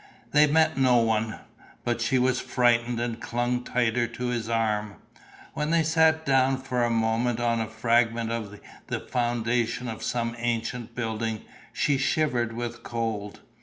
They met no one, but she was frightened and clung tighter to his arm. When they sat down for a moment on a fragment of the foundation of some ancient building, she shivered with cold.